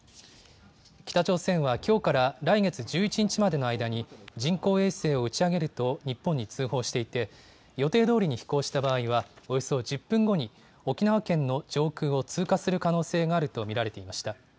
北朝鮮はきょうから来月１１日までの間に、人工衛星を打ち上げると日本に通報していて、予定どおりに飛行した場合は、およそ１０分後に沖縄県の上空を通過する可能性があると見られていました。